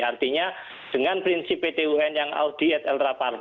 artinya dengan prinsip pt un yang audi et ultra partem semua pihak didengar